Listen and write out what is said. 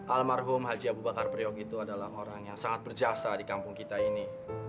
almarhum haji abu bakar priok itu adalah orang yang sangat berjasa di kampung kita ini